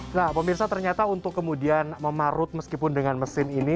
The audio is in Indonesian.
nah pemirsa ternyata untuk kemudian memarut meskipun dengan mesin ini